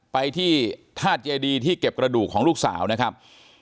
ไปที่ธาตุเจดีที่เก็บกระดูกของลูกสาวนะครับ